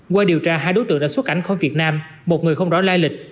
qua điều tra hai đối tượng đã xuất cảnh khỏi việt nam một người không rõ lai lịch